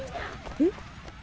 えっ？